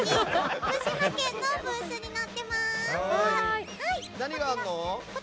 福島県のブースになってます。